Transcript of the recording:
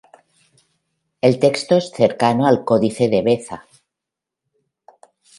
El texto es cercano al Códice de Beza.